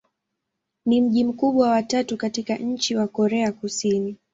Ni mji mkubwa wa tatu katika nchi wa Korea Kusini.